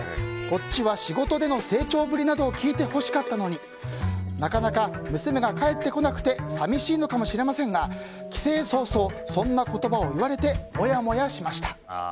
こっちは仕事での成長ぶりなどを聞いてほしかったのになかなか娘が帰ってこなくて寂しいのかもしれませんが帰省早々、そんな言葉を言われてモヤモヤしました。